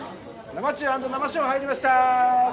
生中＆生小入りました